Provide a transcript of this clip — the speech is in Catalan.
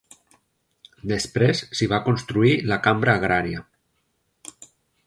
Després s'hi va construir la Cambra Agrària.